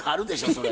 それ。